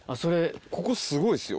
ここすごいっすよ。